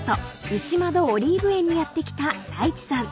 牛窓オリーブ園にやって来た太一さん］